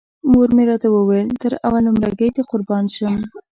مور مې راته ویل تر اول نمره ګۍ دې قربان شم.